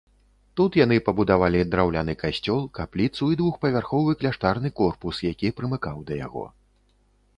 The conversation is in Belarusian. Тут яны пабудавалі драўляны касцёл, капліцу і двухпавярховы кляштарны корпус, які прымыкаў да яго.